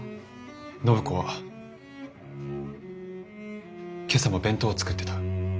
暢子は今朝も弁当を作ってた。